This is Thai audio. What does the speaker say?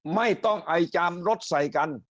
ไม่ต้องไอจามรถใส่กัน